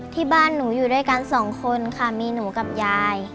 ที่บ้านหนูอยู่ด้วยกันสองคนค่ะมีหนูกับยาย